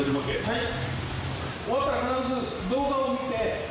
はい！